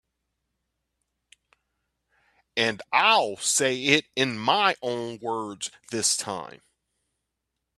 And I'll say it in my own words this time.